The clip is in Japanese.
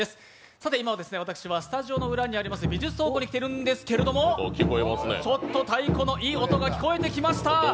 さて今、私はスタジオの裏にあります、美術倉庫に来ているんですけどちょっと太鼓のいい音が聴こえてきました。